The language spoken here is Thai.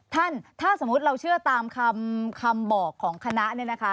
ท่านถ้าสมมุติเราเชื่อตามคำบอกของคณะเนี่ยนะคะ